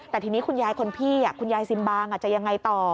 แต่ทีนี้คุณยายคนพี่คุณยายซิมบางจะยังไงต่อ